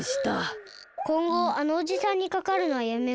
こんごあのおじさんにかかわるのはやめましょう。